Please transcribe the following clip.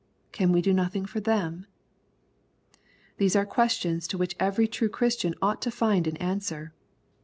Can we do nothing for them ?— These are questions to which every true Christian ought to find an answer.